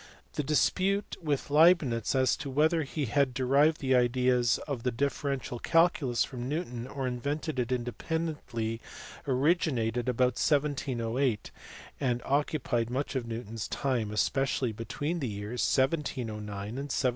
The dispute with Leibnitz as to whether he had derived the ideas of the differential calculus from Newton or invented it independently originated about 1708, and occupied much of Newton s time, especially between the years 1709 and 1716.